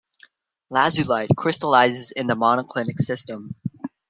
Lazulite crystallizes in the monoclinic system.